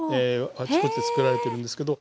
あちこちで作られてるんですけど。